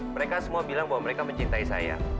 mereka semua bilang bahwa mereka mencintai saya